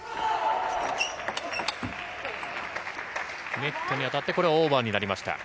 ネットに当たってオーバーになりました。